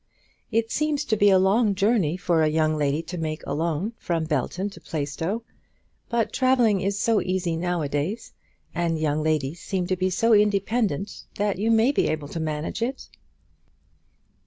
It seems to be a long journey for a young lady to make alone, from Belton to Plaistow; but travelling is so easy now a days, and young ladies seem to be so independent, that you may be able to manage it.